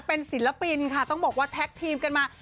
เป็นศิลปินค่ะต้องบอกว่าแท็กทีมกันมา